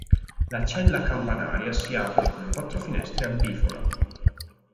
La cella campanaria si apre con quattro finestre a bifora.